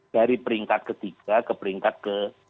dari peringkat ke tiga ke peringkat ke dua